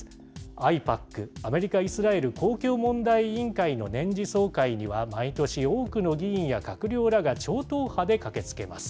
ＡＩＰＡＣ・アメリカ・イスラエル公共問題委員会の年次総会には毎年多くの議員や閣僚らが超党派で駆けつけます。